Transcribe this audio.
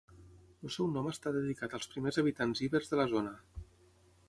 El seu nom està dedicat als primers habitants ibers de la zona.